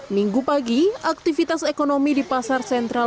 minggu pagi aktivitas ekonomi di pasar sentral